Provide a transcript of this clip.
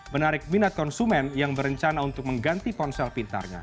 menarik minat konsumen yang berencana untuk mengganti ponsel pintarnya